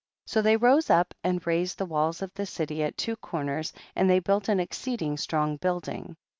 8. So they rose up and raised the walls of the city at the two corners, and they built an exceeding strong building.